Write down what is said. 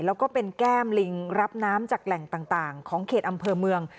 แล้วก็เป็นแก้มลิงรับน้ำจากแหล่งต่างของเขตอำเภอเมือง